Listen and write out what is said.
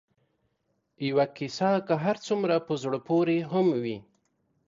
یوه کیسه که هر څومره په زړه پورې هم وي